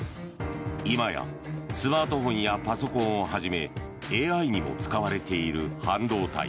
今や、スマートフォンやパソコンをはじめＡＩにも使われている半導体。